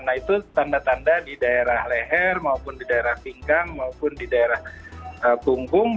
nah itu tanda tanda di daerah leher maupun di daerah pingkang maupun di daerah bungkung